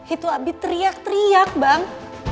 itu habis teriak teriak bang